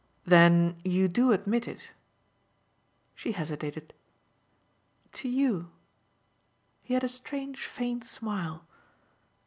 "Then you do admit it." She hesitated. "To YOU." He had a strange faint smile.